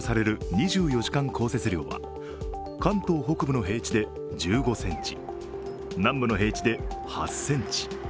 ２４時間降雪量は関東北部の平地で１５ｃｍ南部の平地で８ｃｍ。